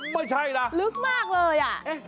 ค่ะลึกมากเลยอ่ะไม่ใช่ล่ะ